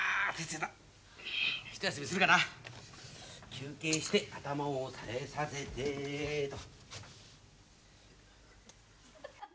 休憩して頭をさえさせてっと。